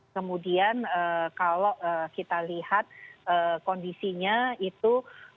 kemudian kalau kita lihat kondisinya itu